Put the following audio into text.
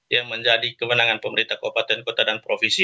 yang menjadi kemenangan pemerintah kabupaten kota dan provinsi